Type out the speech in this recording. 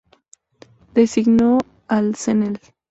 Designó al Cnel.